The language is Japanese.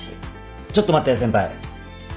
ちょっと待って先輩。